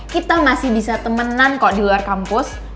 kita masih bisa temenan kok di luar kampus